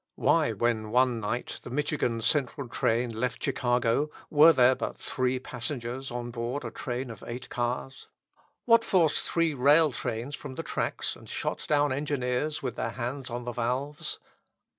Why, when one night the Michigan Central train left Chicago, were there but three passengers on board a train of eight cars? What forced three rail trains from the tracks and shot down engineers with their hands on the valves?